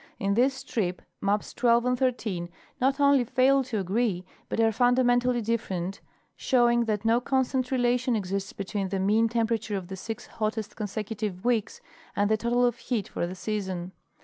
In this strip maps 12 and 13 not only fail to agree, but are fundamentally dif ferent, showing that no constant relation exists between the mean temperature of the six hottest consecutive weeks and the total of heat for the season.